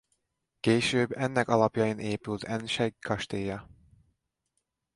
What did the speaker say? Később ennek alapjain épült Ennsegg kastélya.